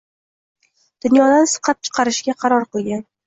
dunyodan siqib chiqarishga qaror qilgan